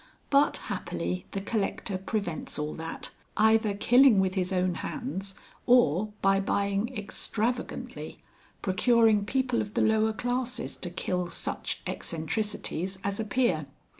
But happily the collector prevents all that, either killing with his own hands or, by buying extravagantly, procuring people of the lower classes to kill such eccentricities as appear.